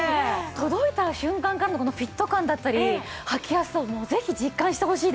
届いた瞬間からのこのフィット感だったり履きやすさをもうぜひ実感してほしいですね。